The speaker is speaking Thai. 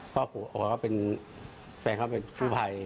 พ่อของถ้าแฟนของเป็นชูไพร